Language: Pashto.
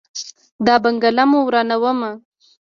دا بنګله مو ورانومه.